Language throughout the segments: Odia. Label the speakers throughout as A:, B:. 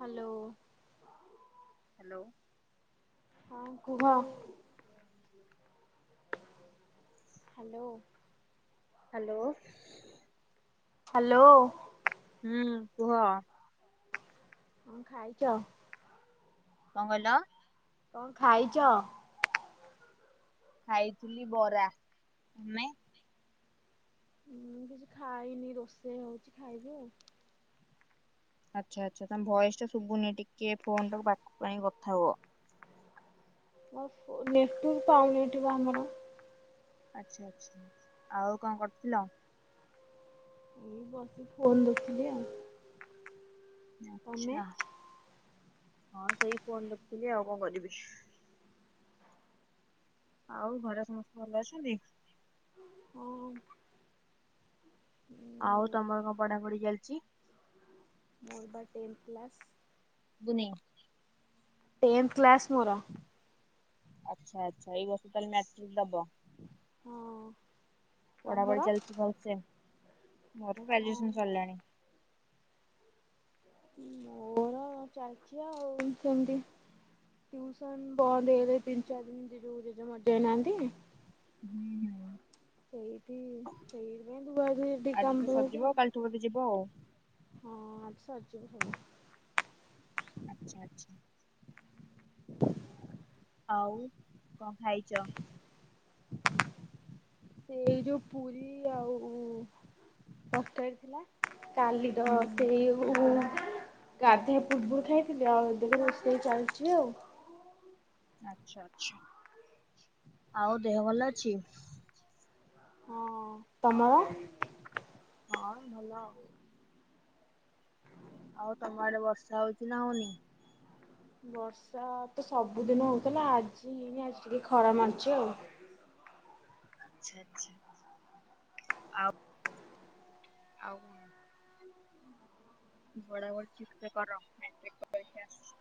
A: ହାଲୋ।
B: ହାଲୋ।
A: ହଁ କୁହ।
B: [inaudible]
A: ହ୍ୟାଲୋ।
B: ହାଲୋ।
A: ହ୍ୟାଲୋ।
B: ହୁଁ କୁହ।
A: କଣ ଖାଇଲ?
B: କଣ କହିଲ?
A: କଣ ଖାଇଚ?
B: ଖାଇଥିଲି ବରା ତମେ?
A: ହୁଁ କିଛି ଖାଇନି ରୋଷେଇ ହଉଛି ଖାଇବି ଆଉ।
B: ଆଚ୍ଛା ଆଚ୍ଛା ତମ ଭଏସ୍ ଟା ଶୁଭୁନି ଟିକେ ଫୋନଟାକୁ ପାଖକୁ ଆଣି କଥା ହୁଅ।
A: [unintelligible] ନେଟୱର୍ ପାଉନି ଏଠି ବା ଆମର।
B: ଆଚ୍ଛା ଆଚ୍ଛା ଆଉ କଣ କରୁଥିଲ।
A: ଏଇ ବସି ଫୋନ୍ ଦେଖୁଥିଲି ଆଉ ତମେ?
B: ଆଚ୍ଛା ହଁ ସେଇ ଫୋନ ଦେଖୁଥିଲି ଆଉ କଣ କରିବି। ଆଉ ଘରେ ସମସ୍ତେ ଭଲ ଅଛନ୍ତି।
A: ହଁ। ମୁଁ
B: ଆଉ ତମର କଣ ପଢା ପଢି ଚାଲିଛି?
A: ମୋର ବା ଟେନ୍ଥ କ୍ଲାସ୍।
B: ସୁଭୁନାଇ।
A: ଟେନ୍ଥ କ୍ଲାସ୍ ମୋର।
B: ଆଚ୍ଛା ଆଚ୍ଛା ଏଇ ବର୍ଷ ତାହେଲେ ମାଟ୍ରିକ୍ ଦବ।
A: ହଁ। ତମର?
B: ପଢାପଢି ଚାଲିଛି ଭଲସେ ମୋର
A: ହଁ
B: ଗ୍ରାଜୁଏସନ୍ ସରିଲାଣି।
A: ମୋର ଚାଲିଛି ଆଉ ସେମତି। ଟିୟୁସନ୍ ବନ୍ଦ ହେଇଗଲା ତିନି ଚାରି ଦିନ ଜେଜେ ମରିଯାଇ ନାହାନ୍ତି।
B: ହୁଁ ହୁଁ।
A: ସେଇଠି ସେଇଥିପାଇ ଧୁଆ ଧୁଇଠି
B: ଆଜି
A: କାମ
B: ତ
A: ପଳଉଛି।
B: ସରିଯିବ କାଲିଠୁ ବୋଧେ ଯିବ ଆଉ।
A: ହଁ ଆଜି ସରିଯିବ ସବୁ
B: ଆଚ୍ଛା ଆଚ୍ଛା। ଆଉ କଣ ଖାଇଛ।
A: ସେଇ ଯୁ ପୁରୀ ଆଉ ତରକାରି ଥିଲା। କାଲିର
B: ହୁଁ
A: ସେଇ ଇଏ ହୋଉ। ଗାଧେଇଆ ପୁୁର୍ବୁରୁ ଖାଇଥିଲି ଆଉ ଏବେ ତ ରୋଷେଇ ଚାଲଚି ଆଉ।
B: ଆଛା ଆଛା ଆଉ ଦେହ ଭଲଅଛି।
A: ହଁ ତମର?
B: ହଁ ଏମ୍ ଭଲ ଆଉ। ଆଉ ତମ ଆଡେ ବର୍ଷା ହୋଉଚି ନା ହୋଉନି?
A: ବର୍ଷା ତ ସବୁଦିନ ହୋଉଥିଲା ଆଜି ହେଇନି ଆଜି ଟିକେ ଖରା ମାରୁଚି ଆଉ।
B: ଆଛା ଆଛା ଆଉ ଆଉ କଣ? ପଢାପଢି ଠିକସେ କର ମ୍ୟାଟ୍ରିକ ପରୀକ୍ଷା ଆସଚି।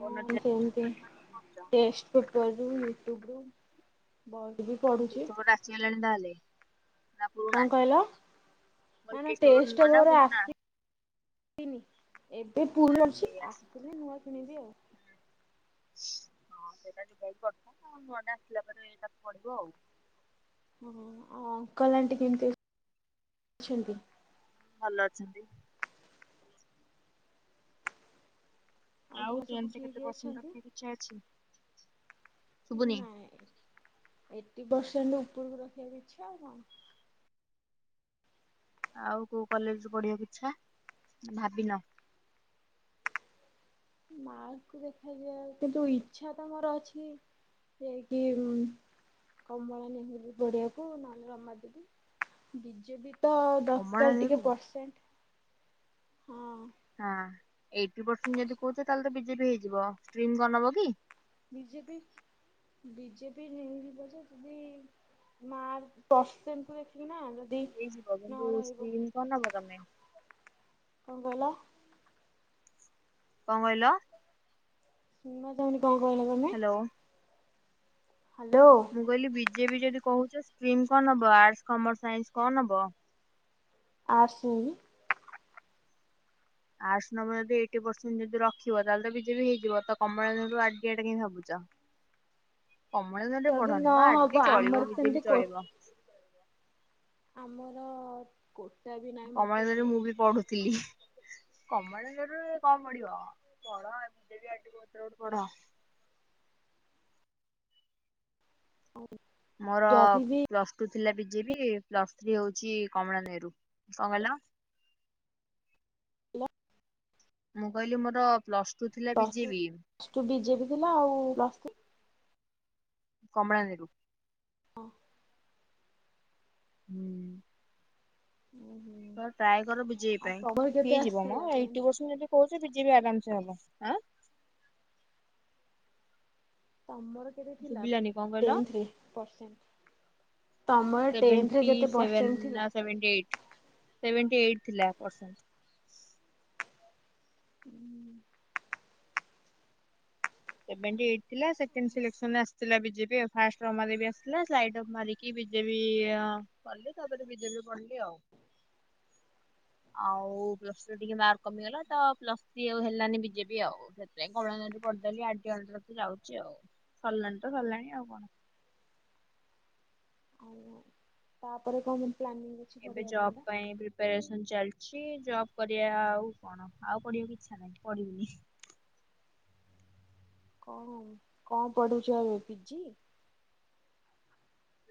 B: ଫୋନ ଅଧିକା ଦେ-ଚ
A: ସେମିତି
B: ପାଠ ଅଧିକ ପଢୁଚ?
A: ଟେଷ୍ଟ ପେପରରୁ ୟୁଟ୍ୟୁବରୁ ବହି ବି ପଢୁଚି।
B: ଚି ହେଲାଣି ତାହେଲେ। ନା ପୁରୁଣା
A: କଣ କହିଲ?
B: ମୁଁ କହିଲି
A: ନା ନା
B: ଟେଷ୍ଟ ପେପର ନୂଆ ନା
A: ଟେଷ୍ଟପେପର୍
B: ପୁରୁଣା?
A: ଆସି ନି ଏବେ ପୁରୁଣା ଅଛି
B: ସେଇ ଆସି
A: ଆସିଲେ ନୂଆ କିଣିବି ଆଉ।
B: ହୁଁ। ହଁ ସେଇଟା [unintelligible] କରିଥାଆନ୍ତୁ ନୂଆ ଟେ ଆସିଲା ପରେ ଏଇଟା ପଡିବ ଆଉ।
A: ଆଉ ଅଙ୍କଲ୍ ଆଣ୍ଟି କେମିତି ଅଛନ୍ତି।
B: ଭଲ ଅଛନ୍ତି? ଆଉ
A: ଘରେ ସବୁ
B: ଟେନଥରେ
A: କିଏ
B: କେତେ
A: କିଏ
B: ପର୍ସେଣ୍ଟ୍
A: ଅଛନ୍ତି?
B: ରଖିବାକୁ ଇଚ୍ଛା ଅଛି?
A: ଏଇ
B: ଶୁଭୁନି
A: ନାଇଁ ଏଇଟି ପରସେଣ୍ଟ୍ ଉପୁରକୁ ରଖିବାକୁ ଆଉ କଣ।
B: ଆଉ କୋଉ କଲେଜରୁୁ ପଢିବାକୁ ଇଚ୍ଛା ନାଇ ଭାବିିନ?
A: ମାର୍କକୁ ଦେଖାଯାଉ କିନ୍ତୁ ଇଚ୍ଛା ତ ମୋର ଅଛି ରକିମ୍ କମଳା ନହବି ବଢଆକୁ ନଲେ ରମାଦବି ବିଜେ ବି। ତ
B: କମଳା
A: ଦରକାର
B: ନେହେରୁ
A: ଟିକେ ପରସେଣ୍ଟ ହଁ।
B: ହଁ ଏଇଟି ପରସେଣ୍ଟ ଯଦି କହୁଛ ତାହେଲେ ବିଜେପି ହେଇଯିବ ଷ୍ଟ୍ରିମ କଣ ନବ କି?
A: ବିଜେପି। ବିଜେପି ନେଇଯିବ ଯେ ଯଦି ମାର୍କ ପ୍ରସେଣ୍ଟ ଦେଖିକି ନା। ଯଦି
B: ହେଇଯିବ
A: ନ
B: କିନ୍ତୁ
A: ରହିବ
B: ଷ୍ଟ୍ରୀମ କଣ ନବ ତମେ?
A: କଣ କହିଲ?
B: କଣ କହିଲ?
A: ଶୁଣା ଯାଉନି କଣ କହିଲ ତମେ?
B: Hello
A: hello.
B: ମୁଁ କହିଲି ବିଜେପି ଯଦି କହୁଛ ଷ୍ଟ୍ରିମ କଣ ନବ ଆର୍ଟସ କମର୍ସ ସାଇନ୍ସ କଣ ନବ?
A: ଏଡ୍ସ ନେବି।
B: ଆର୍ଟ୍ସ ନବ ଯଦି ଏଇଟି ପରସେଣ୍ଟ ଯଦି ରଖିବ ତାହେଲେ ବିଜେପି ହେଇଯିବ ତ କମଳାଜ୍ରୁ ଆଡିଆଟ ଟା କାଇଁ ଭାବୁଚ।
A: ଯଦି
B: ମ ଆରଡି
A: ନହବ
B: ଚଳିବ
A: ଆମର
B: ବିଜେପି
A: ସେମିତି କ
B: ଚଳିବ।
A: ଆମର କଟା ବି ନାହିଁ ମତେ
B: କମଲଝରରେ ମୁଁ ବି ପଢୁଥିଲି। କମଳ ଜରରେ କଣ ପଢ଼ିବ ପଢ଼ ବିଜେପି [unintelligible]
A: ହଉ।
B: ମୋର ପ୍ଲସ୍ ଟୁ ଥିଲା ବିଜେପି ପ୍ଲସ୍ ଥ୍ରୀ ହଉଛି କମଳା ନେହେରୁ କଣ କହିଲ?
A: ହ୍ୟାଲୋ।
B: ମୁଁ କହିଲି ମୋର ପ୍ଲସ ଟୁ ଥିଲା ବିଜେ ବି।
A: ଲଷ୍ଟୁ ବିଜେପି ଥିଲା ଆଉ ପ୍ଲସ ଥିରି
B: କମଳା ନେହେରୁ।
A: ହଁ।
B: ହୁଁ।
A: ଓହୋ।
B: ତ ଟ୍ରାଏ କର ବିଜେପି ପାଇଁ ହେଇଯିବ ମ
A: ଆସିଥିଲା
B: ଏଇଟି
A: କେଜାଣି
B: ପରସେଣ୍ଟ ଯଦି କହୁଛ ବିଜେପି ଆରାମସେ ହବ।
A: ତମର କେତେ ଥିଲା
B: ଶୁଭିଲାନି କଣ କହିଲ?
A: ତେନ୍ଥରେ ପର୍ଶେଣ୍ଟ?
B: ସେଭେଣ୍ଟୀ ସେଭେନ
A: ପରସେଣ୍ଟ ଥିଲା?
B: ନା ସେଭେଣ୍ଟି ଏଇଟ୍ ସେଭେଣ୍ଟି ଏଇଟ୍ ଥିଲା ପାର୍ସେଣ୍ଟ।
A: ହୁଁ।
B: ସେଭେନ୍ଥ ଏଇଟ୍ ଥିଲା ସେକେଣ୍ଡ ସେଲେକ୍ଟି ଆସିଥିଲା ବିଜେପିା ଫାର୍ଷ୍ଟ ରମାଦେବୀ ଆସିଲା [unintelligible] କି ବିଜେପି ପଢ଼ିଲି ତାପରେ ବିଜେପି ପଢ଼ିଲି ଆଉ। ଆଉ ପ୍ଲସ ଟୁ ଟିକେ ମାର୍କ କମିଗଲା ତ ପ୍ଲସ ଥ୍ରୀ ଆଉ ହେଲାନି ବିଜେପି ଆଉ। ଏ କଳାରେ [unintelligible] ଯାଉଛି ଆଉ ସରିଲଣି ତ ସରିଲଣି ଆଉ କଣ।
A: ଓହୋ ତାପରେ କ ପ୍ଲାନିଂ? ଅଛି
B: ଏବେ
A: ପଢିବା
B: ଜବ୍
A: ପାଇଁକା
B: ପାଇଁ ପ୍ରି ପରେସନ୍ ଚାଲିଛି ଜବ୍ କରିବା ଆଉ କଣ ଆଉ ପଢ଼ିବାକୁ ଇଚ୍ଛା ନାହିଁ ପଢ଼ିବିନି।
A: ହଁ କଣ ପଢ଼ୁଛ ଆଉ ପିଜି?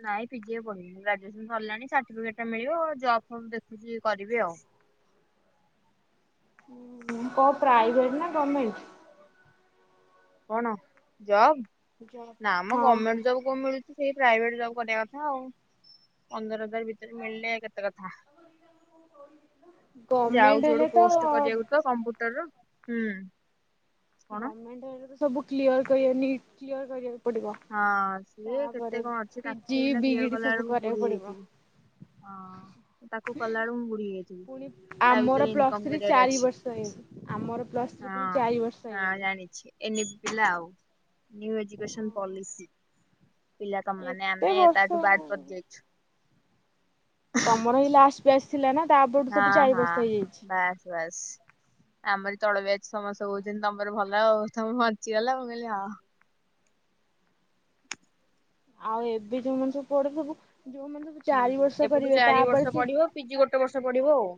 B: ନାଇଁ ପିଜି ଆଉ ପଡ଼ୁନି ଗ୍ରାଜୁଏସନ୍ ସରିଲାଣି ସାର୍ଟିଫିକେଟ୍ ଟା ମିଳିବ ଆଉ ଜବ୍ ଫବ୍ ଦେଖୁଛି କରିବି ଆଉ।
A: କ ପ୍ରାଇଭେଟ ନା ଗଭର୍ମେଣ୍ଟ?
B: କଣ ଜବ
A: ଜବ୍
B: ନା ମ
A: ହଁ।
B: ଗଭର୍ଣମେଣ୍ଟ ଜବ୍ କଉ ମିଳୁଛି। ସେଇ ପ୍ରାଇଭେଟ ଜବ୍ କରିବା କଥା ଆଉ। ପନ୍ଦର ହଜାର ଭିତରେ ମିଳିଲେ କେତେ କଥା।
A: ଗଭର୍ଣମେଣ୍ଟ
B: ଯାଉଛି
A: ହେଲେ
B: ଗୋଟେ
A: ତ
B: କୋର୍ସ କରିବାକୁ ତ କମ୍ପୁଟର ର। କଣ
A: [unintelligible]
B: ହଁ ସିଏ କେତେ
A: ତାପରେ
B: କଣ ଅଛି ତାକୁ
A: ପିଜି
B: କ୍ଲିୟର
A: ବିଇଡି
B: କଲା
A: ସବୁ
B: ବେଳକୁ
A: କରିବାକୁ
B: ବୁଢ଼ୀ
A: ପଡିବ।
B: ହେଇଯାଇଥିବି। ହଁ ତାକୁ କଲାବେଳୁ ମୁଁ ବୁଢ଼ୀ ହେଇଯାଇଥିବି
A: ପୁଣି
B: ତା
A: ଆମର
B: ଭିତରେ
A: ପ୍ଲସ୍
B: ଇନକମ
A: ଥ୍ରୀ
B: କରିବାର
A: ଚାରି
B: ଅଛି।
A: ବର୍ଷ ହେଇଗଲି ଆମର ପ୍ଲସ୍ ଥ୍ରୀ ପୁଣି ଚାରି ବର୍ଷ
B: ହଁ ହଁ
A: ହେଇଗଲି।
B: ଜାଣିଛି। ଏନ ପ ଆଉ ଏଜୁକସନ ପଲିସି। ପିଲା ତମାନେେ
A: ଏତେ
B: ଆମେ
A: ବର୍ଷ
B: ତାଠୁ ବାଡ ପକେଇଛୁ।
A: ତମର ଏଇଁଲାଷ୍ଟ ବ୍ୟାଚ ଥିଲା ନା ତାପଠୁ ସବୁ ଚାର ବର୍ଷ ହେଇଯାଇଛି।
B: ବସ୍। ଆମର ତଳବ ଅଛି ସମସ୍ତେ କହୁଛନ୍ତି ତମର ଭଲ ଆଉ ତମେ ବଞ୍ଚିଗଲା ମୁଁ କହିଲି ହଉ।
A: ଆଉ ଏବେ ଯୋଉମାନୋନ ସବୁ ପଡ ସବୁ ଯୋଉମାନୋନ ସବୁ ଚାରି
B: ହୁଁ
A: ବର୍ଷ
B: ଏପଟୁ
A: କରିବେ
B: ଚାରି ବର୍ଷ
A: ତାପରେ ସେ।
B: ପଢିବ ପିଜି ଗୋ ବର୍ଷ ପଡିବ ଆଉ।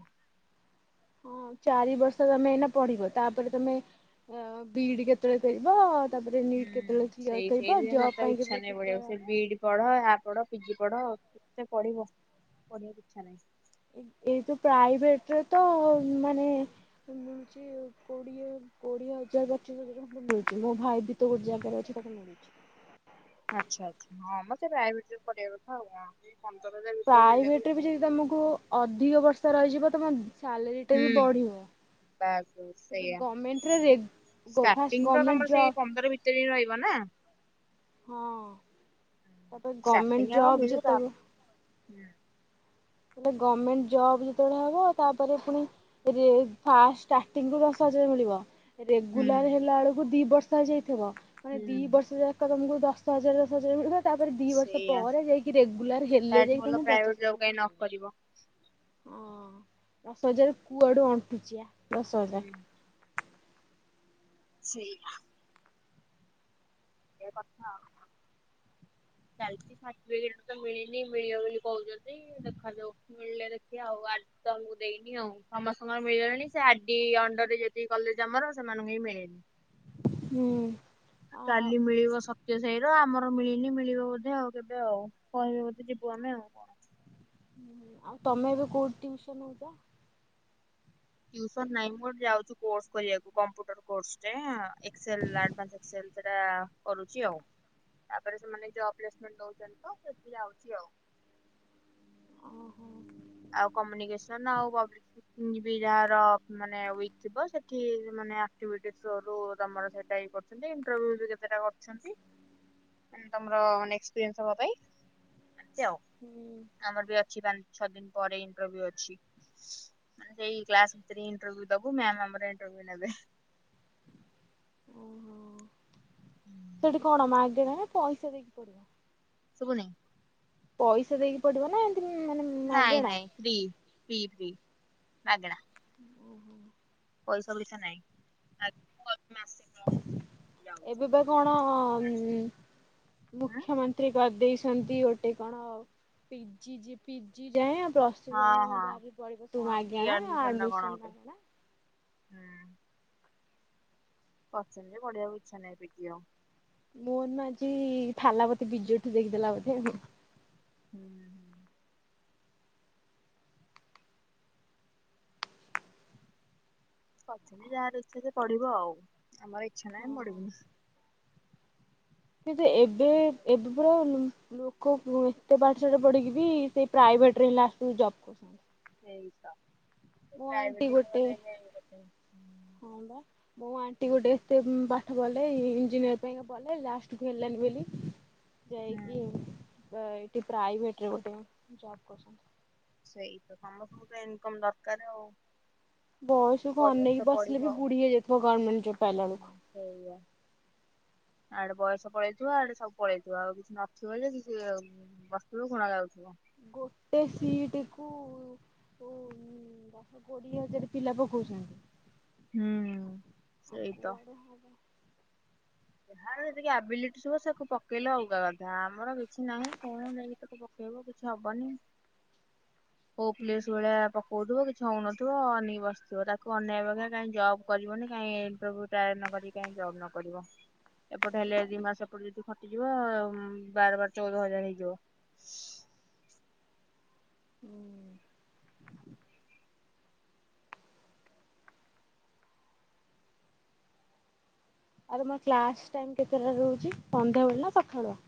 A: ହଁ ଚାରି ବର୍ଷ ତମେ ଏଇନା ପଢିବ ତାପରେ ତମେ ଅ ବିଡି କେତେବେଳେ କରିବ। ତାପରେ ନିଟ୍ କେତେବେଳେ
B: ହୁଁ
A: କ୍ଲିୟର
B: ସେଇ
A: କରିବ
B: ସେଇଥିପାଇଁ
A: ଜବ୍
B: ମତେ ଆଉ
A: ପାଇଁ
B: ଇଚ୍ଛା
A: କେତେବେଳେ
B: ନାହିଁ ପଢିବାକୁ
A: ପ୍ରିପେୟାର
B: ସେ
A: ହବ।
B: ବିଇଡି ପଢ ଆର୍ ପଢ ପିଜି ପଢ କେତେ ପଢିବ ପଢିବାକୁ ଇଛା ନାହିଁ।
A: ଏତ ପ୍ରାଇଭେଟରେ ତ ମାନେ। କୋଡିଏ କୋଡିଏ ହଜାର ପଚିଶ ହ। ମିଳୁଛି ମୋ ଭାଇ ବି ତ ଗୋଟେ ଜାଗାରେ ଅଛି ତାକୁ ମିଳୁଛି।
B: ଆଚ୍ଛା ଆଚ୍ଛା ହଁ ମତେ ପ୍ରାଇଭେଟରେ ପଢ କଥା ଆଉ କଣ। ପନ୍ଦର ହଜାର। ଭିତରେ ମିଳିଲେ
A: ପ୍ରାଇଭେଟରେ ବି
B: ଯେତେ
A: ଯଦି
B: କଥା।
A: ତମକୁ ଅଧିକ ବର୍ଷା ରହିଯିବ ତମ ସାଲେରୀ ଟା ବି ବଢିବ।
B: ବାସ ସେଇଆ
A: ଫାଷ୍ଟ
B: ଷ୍ଟାର୍ଟିଂ ତ
A: ଗଭର୍ଣ୍ଣମେଣ୍ଟ
B: ତମର
A: ଜବ୍
B: ସେଇ ପନ୍ଦର। କେତେ ଦିନ ରହିବ ନା।
A: ହଁଅ।
B: ସପଟିଙ୍ଗ ଆଉ ମିିଲୁ
A: ଯେତେବେଳେ
B: ତାପରେ ହୁଁ।
A: ଗଭର୍ଣମେଣ୍ଟ ଜବ୍ ଯେତେବେଳେ ହବ ତାପରେ ପୁଣି। ଫାର୍ଷ୍ଟ ସ୍ତର୍ତିଂରୁ ଦଶ ହଜାର ମିଳିବ।
B: ହୁଁ
A: ରେଗୁଲାର ହେଲା ବେଳକୁ ଦି ବର୍ଷ ହେ ଯାଇଥିବ ମାନେ ଦି
B: ହୁଁ
A: ବର୍ଷ ଯା। ଏକ ତମକୁ ଦଶ ହଜାର ଦଶ ହଜାରରେ ମିଳିବ। ତାପରେ ଦି ବର୍ଷ
B: ସେଇଆ
A: ପରେ ଯାଇକି ରେଗୁଲାର ହେଲେ
B: ତାଠୁ ଭଲ
A: ଯାଇକିମ
B: ପ୍ରାଇଭେଟ
A: ପଚାଶ।
B: ଜବ୍ କାଇଁ ନ କରିବ।
A: ଓ ଦଶ ହଜାର କୁଆଡୁ ଅଣ୍ଟୁଛି ଆ ଦଶ ହଜାର।
B: ହୁଁ ସେଇ। ଏ କଥା ଆଉ କଣ।
A: [inaudible]
B: ଚାଲିଛି ଷାଠିଏ ତ ମିଳିନି ମିଳିବା ବୋଲି କହୁଛନ୍ତି ଦେଖାାଯାଉ ମିଳିଲେ ଯେତିକି ଆଉ। ତମକୁ ଦେଇନି ଆଉ ସମସ୍ତଙ୍କର ମିଳିଲଣି ସେ ଆଡି ଅଣ୍ଡର ରେ ଯତିକି କଲେଜ ଆମର ସେମାନଙ୍କୁ ହିଁ ମିଳେନି।
A: ହୁଁ ଆଉ
B: କାଲି ମିଳିବ ସତ୍ୟ ସାହି ର ଆମର ମିଳିନି ମିଳିବ ବୋଧେ ଆଉ କେବେ ଆଉ କହିବେ ବୋଧେ ଯିବୁ ଆମେ ଆଉ କଣ।
A: ହ ଆଉ ତମେ ଏବେ କୋଉଠି ଟଉସନ ହଉଛ।
B: ଟୁସନ ନାହିଁ ମୁଁ ଯାଉଛି କୋର୍ସ କରିବାକୁ କମ୍ପୁଟର କୋସ ଏକ୍ଲଡନ୍ଲ। ସେଟା କରୁଛି ଆଉ ତାପରେ ସେମାନେ ଜବ ପ୍ଲେସମେଣ୍ଟ ଦଉଛନ୍ତି ତ ସେଠି ଯାଉଛି ଆଉ।
A: ଓହୋ
B: ଆଉ କମ୍ୟୁନିକସନ ଆଉବ୍ [unintelligible] ଯାହାର ମାନେ ଥିବ ସେଠି ମାନେ ତମର ସେଠ [unintelligible] ଦେଇଛନ୍ତି କେତଟା କରୁଛନ୍ତି।
A: ହୁଁ [inaudible]
B: ତମରାନେ ଅନେକ ଏସପିରିଏନ୍ସ ହବା ପାଇଁ ଆଉ।
A: ହୁଁ [inaudible]
B: ଆମର ବି ଅଛି ପାଞ୍ଚ ଛଅ ଦିନ ପରେ ଇଣ୍ଟରଭିୁ ଅଛି। ସେଇ କ୍ଲାସ ଭିତରେ ଇଣ୍ଟରୁ ଦବୁ ମେମ ଆମର ଇଣ୍ଟରୁ ନେବେ।
A: ଓହୋ।
B: ହୁଁ [inaudible]
A: ସେଠି କଣ ମଗେରେ ନା ପଇସା ଦେଇକି ପଡିବ।
B: ଶୁଭୁନେଇ?
A: ପଇସା ଦେଇକି ପଢିବ ନା ମାନେ
B: ନାଇଁ
A: ମାଗେଣା?
B: ନାଇଁ ଫ୍ରି- ଫ୍ରି -ଫ୍ରି ମାଗେଣା। ପଇସା ଫାଇସା ନାଇଁ ମାଗେଣା [unintelligible] ମାସେ କାଳ।
A: ଏବେ ବା କଣ ମୁଖ୍ୟମ ନ୍ତ୍ରୀ କରିଦେଇଛନ୍ତି ଗୋଟେ କଣ, P G, G P, P G ଯାଏ ପ୍ଲ ଯାଏ
B: ହଁ ହଁ
A: ଯାହା ବି ପଢିବ ସବୁ
B: କଣ ପ୍ରି
A: ମାଗେଣା
B: ନା କଣ
A: ଆଡମିସନ
B: ଗୋଟେ
A: ମାଗେଣା।
B: ହୁଁ। କରିଛନ୍ତି ଯେ, ପଢିବାକୁ ଇଛା ନାହିଁ ପି ଜି ଆଉ।
A: ମୋହନ ମାଝୀ, ଥାଲା ପତି [unintelligible] ଦେଖିଦେଲା ବୋଧେ ଆଉ।
B: ହୁଁ। ହୁଁ କରିଛନ୍ତିି ଯାହାର ଇଚ୍ଛା ସେ ପଢିବ ଆଉ, ଆମର ଇଚ୍ଛା ନାହିଁ ଆମେ ପଢିବୁନି।
A: କିନ୍ତୁ ଏବେ ଏବେ ପୁରା ଉ ଲୋକ ଏତେ ପାଠ ସାଠ ପଢିକି ବି, ସେଇ ପ୍ରାଇଭେଟରେ ଲାଷ୍ଟ କୁ ଜବ୍ କରୁ
B: ସେ
A: ଆଣ୍ଟି
B: ପ୍ରାଇ
A: ଗୋଟେ ହଁ ବା। ମୋ ଆଣ୍ଟି ଗୋଟେ ଏତେ ପାଠ ପଢିଲେ ଇଞ୍ଜିନିୟର ପାଇଁକା ପଢ଼ିଲେ, ଲାଷ୍ଟକୁ ହେଲାନି ବୋଲି ଯାଇକି
B: ହୁଁ
A: ଏଠି ପ୍ରାଇଭେଟରେ ଗୋଟେ ଜବ କରୁଛନ୍ତି।
B: ସେଇ ତ ସମସ୍ତଙ୍କୁ ତ ଇନକମ୍ ଦରକାର ଆଉ।
A: ବୟସକୁ
B: କରିବାକୁ
A: ଅନେଇକି
B: ତ ପଡିବ
A: ବସିଲେ ବି,
B: ଆଉ।
A: ବୁଢି ହେଇଯାଇଥିବ ଗର୍ମେଣ୍ଟ ଜବ୍ ପାଇଲା ବେଳକୁ।
B: ସେଇଆ ଆଡେ ବୟସ ପଳେଇଥିବ, ଆଡେ ସବୁ ପଳେଇଥିବ। ଆଉ କିଛି ନଥିବ ଯେ କିଛି ଉଁ ବସିଥିବ ଗୁଣ ଗାଉଥିବ।
A: ଗୋଟେ ସିଟ୍ କୁ ଉଁ ଦଶ କୋଡିଏ ହଜାର ପିଲା ପକଉଛନ୍ତି।
B: ହୁଁ
A: ଆଉ
B: ସେଇ ତ।
A: କୁଆଡ଼େ ହବ
B: ଯାହାର ଯେତିକି ଆବିଲିଟି ଥିବ ସେ ପକେଇଲେ ଅଲଗା କଥା, ଆମର କିଛି ନାହିଁ କଣ ଯାଇକି ତା ପକେଇବୁ କିଛି ହବନି, କୋଉ ପ୍ଲେସ ଭଳିଆ ହଉଥିବ କିଛି ହଉନଥିବ ଅନେଇକି ବସିଥିବ, ତାକୁ ଅନେୟା ଅପେକ୍ଷା କାଇଁ ଜବ୍ କରିବନି କାଇଁ ଇଣ୍ଟର୍ବ୍ୟୁ ଟ୍ରାଏ ନ କରି କାଇଁ ଜବ୍ ନ କରିବ। ଏପଟେ ହେଲେ
A: ସେଇ
B: ଦି
A: କଥା
B: ମାସ ଏପଟେ ଯଦି ଖଟିଯିବ, ବାର ବାର ଚଉଦ ହଜାର ହେଇଯିବ।
A: ଆରେ ମୋ କ୍ଲାସ ଟାଇମ୍ କେତେଟାରେ ରହୁଛି, ସନ୍ଧ୍ୟାବେଳେ ନା ସଖାଳୁଆ?